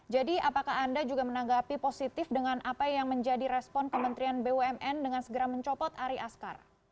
jadi apakah anda juga menanggapi positif dengan apa yang menjadi respon kementerian bumn dengan segera mencopot ari askar